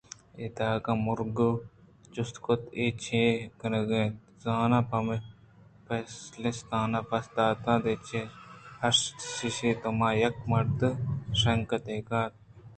اے دگہ مُرگاں جُست کُت اے چے کنگا اِنت زاناں؟ پیپلستانءَ پسّہ دات اے حشیشی توماں کہ اے مرد شانک دئیگ ءَ اِنت